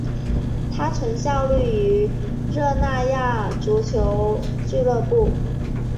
他曾效力于热那亚足球俱乐部。